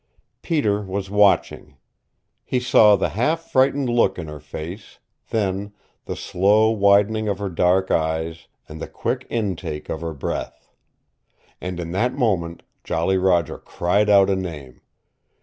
Peter was watching. He saw the half frightened look in her face, then the slow widening of her dark eyes, and the quick intake of her breath. And in that moment Jolly Roger cried out a name.